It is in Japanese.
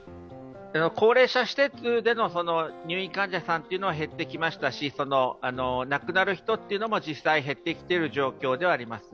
高齢者施設での入院患者さんは減ってきましたし、亡くなる人も実際減ってきている状況ではあります。